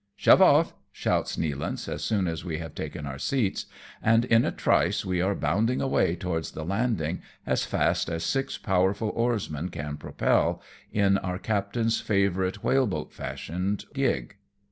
" Shove off !" shouts Nealance, as soon as we have taken our seats, and in a trice we are bounding away towards the landing, as fast as six powerful oarsmen can propel, in our captain's favourite whale boat fashioned gig.